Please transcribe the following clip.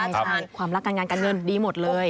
ใช่ค่ะความรักกันงานกันเงินดีหมดเลย